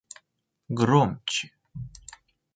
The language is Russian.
Громче